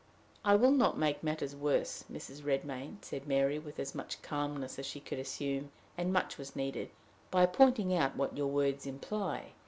"I will not make matters worse, Mrs. Redmain," said Mary, with as much calmness as she could assume, and much was needed, "by pointing out what your words imply.